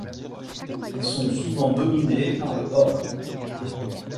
Ils sont souvent dominés par le horn.